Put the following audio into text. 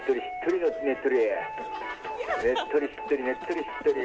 ねっとりしっとりねっとりしっとり。